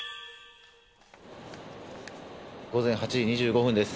午前８時２５分です。